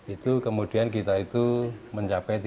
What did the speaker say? itu kemudian kita itu mencapai tiga puluh tujuh